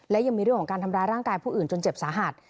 และยังมีเรื่องของการทำร้ายร่างกายผู้อื่นจนเจ็บสาหัส